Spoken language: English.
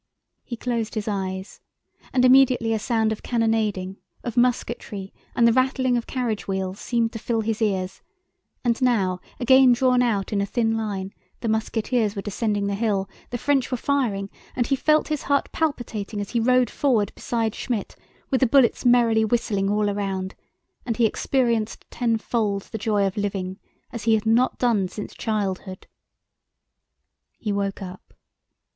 He closed his eyes, and immediately a sound of cannonading, of musketry and the rattling of carriage wheels seemed to fill his ears, and now again drawn out in a thin line the musketeers were descending the hill, the French were firing, and he felt his heart palpitating as he rode forward beside Schmidt with the bullets merrily whistling all around, and he experienced tenfold the joy of living, as he had not done since childhood. He woke up...